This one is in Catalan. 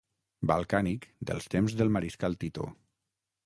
Balcànic dels temps del mariscal Tito.